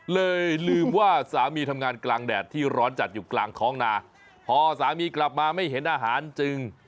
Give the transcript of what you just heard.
ลืมว่าสามีทำงานกลางแดดที่ร้อนจัดอยู่กลางท้องนาพอสามีกลับมาไม่เห็นอาหารจึง